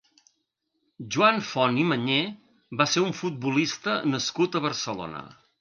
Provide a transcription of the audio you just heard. Joan Font i Mañé va ser un futbolista nascut a Barcelona.